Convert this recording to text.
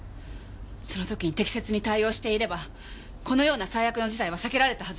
その時に適切に対応していればこのような最悪の事態は避けられたはずです。